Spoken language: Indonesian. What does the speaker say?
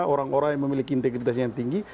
orang orang yang memiliki integritas yang tinggi